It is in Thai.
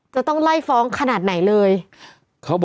จะต้องไล่ฟ้องขนาดไหนเลย